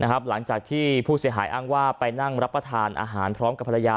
หลังจากที่ผู้เสียหายอ้างว่าไปนั่งรับประทานอาหารพร้อมกับภรรยา